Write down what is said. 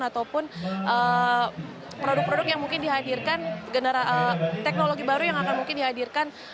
ataupun produk produk yang mungkin dihadirkan teknologi baru yang akan mungkin dihadirkan